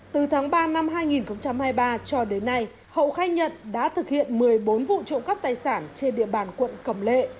từ tháng ba năm hai nghìn hai mươi ba cho đến nay hậu khai nhận đã thực hiện một mươi bốn vụ trộm cắp tài sản trên địa bàn quận cầm lệ